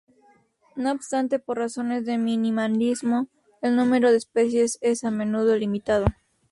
No obstante, por razones de minimalismo, el número de especies es a menudo limitado.